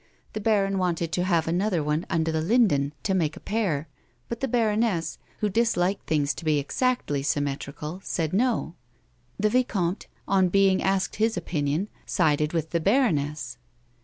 The baron wanted to have another one under the linden to make a pair, but the baroness, who disliked things to be exactly symmetrical, said no. The vicomte, on being asked his opinion, sided with the baroness.